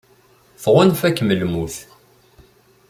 Tɣunfa-kem lmut.